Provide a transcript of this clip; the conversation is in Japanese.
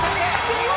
見事。